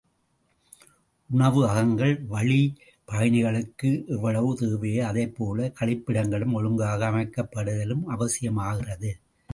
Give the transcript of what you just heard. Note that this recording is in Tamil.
உணவு அகங்கள் வழிப் பயணிகளுக்கு எவ்வளவு தேவையோ அதைப்போலக் கழிப்பிடங்களும் ஒழுங்காக அமைக்கப்படுதலும் அவசியம் ஆகிறது.